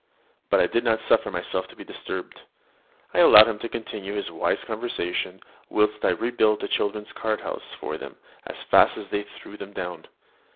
But I did not suffer myself to be disturbed. I allowed him to continue his wise conversation, whilst I rebuilt the children's card houses for them as fast as they threw them down.